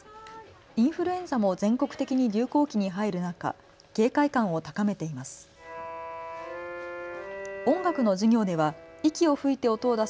インフルエンザも全国的に流行期に入る中、警戒感を高めています。